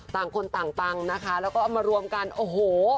ต่างคนต่างปังนะคะแล้วก็เอามารวมกันโอ้โห